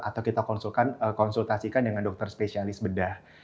atau kita konsultasikan dengan dokter spesialis bedah